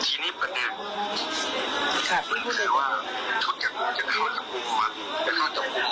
อ๋อทีนี้ประเด็นคือว่าทุกอย่างมันจะเข้าจับกลุ่มมา